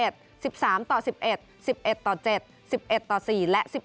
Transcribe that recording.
๑๑ต่อ๗๑๑ต่อ๔และ